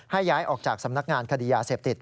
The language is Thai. ย้ายออกจากสำนักงานคดียาเสพติด